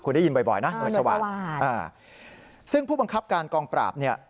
คุณได้ยินบ่อยนะหน่วยสวรรค์ซึ่งผู้บังคับการกองปราบเนี่ย